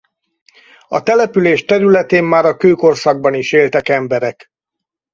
A település területén már a kőkorszakban is éltek emberek.